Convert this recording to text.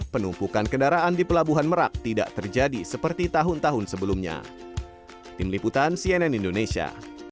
penumpukan kendaraan di pelabuhan merak tidak terjadi seperti tahun tahun sebelumnya